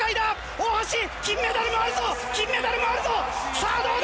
大橋、金メダルがあるぞ、金メダルがあるぞ、さあ、どうだ。